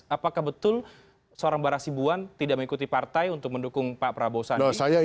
apakah betul seorang bara sibuan tidak mengikuti partai untuk mendukung pak prabowo sandi